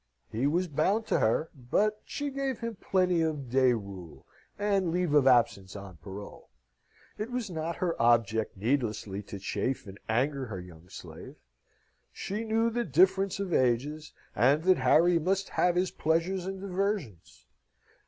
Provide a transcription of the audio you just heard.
He was bound to her, but she gave him plenty of day rule, and leave of absence on parole. It was not her object needlessly to chafe and anger her young slave. She knew the difference of ages, and that Harry must have his pleasures and diversions.